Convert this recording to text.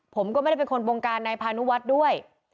ผมก็ไม่ได้เป็นคนบงการนายพานุวัฒน์ด้วย